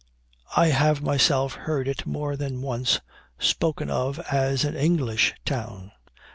I have myself heard it more than once spoken of as an English town.